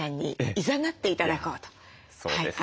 そうですよね。